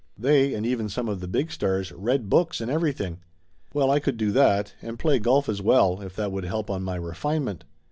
They, and even some of the big stars, read books and everything. Well, I could do that, and play golf, as well, if that would help on my refinement.